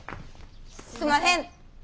すんまへん。